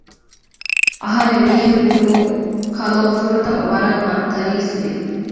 އަހަރެން މިހެން ބުނުމުން ކަލޯ ފުރަތަމަ ވަރަށް އަންތަރީސްވި